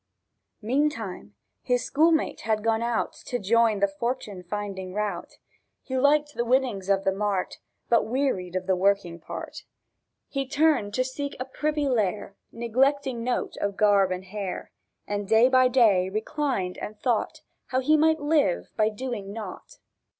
Meantime his schoolmate had gone out To join the fortune finding rout; He liked the winnings of the mart, But wearied of the working part. He turned to seek a privy lair, Neglecting note of garb and hair, And day by day reclined and thought How he might live by doing nought.